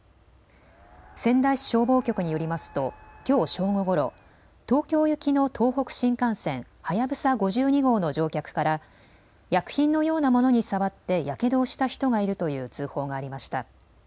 仙台市消防局によりますときょう正午ごろ、東京行きの東北新幹線はやぶさ５２号の乗客から薬品のようなものに触ってやけどをした人がいるという通報がありました。